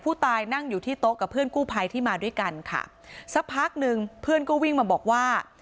ผู้ตายนั่งอยู่ที่โต๊ะกับเพื่อนกู้ภัยที่มาด้วยกันค่ะสักพักหนึ่งเพื่อนก็วิ่งมาบอกว่า